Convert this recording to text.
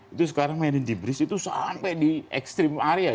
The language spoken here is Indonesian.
itu sekarang marine debris itu sampai di extreme area